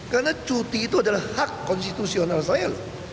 karena cuti itu adalah hak konstitusional saya